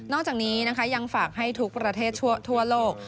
นอกจากนี้ยังฝากให้ทุกประเทศทั่วโลก